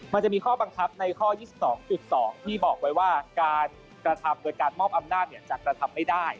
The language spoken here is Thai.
มันจะมีข้อบังคับในข้อ๒๒ที่บอกไว้ว่าการกระทำโดยการมอบอำนาจจะกระทำไม่ได้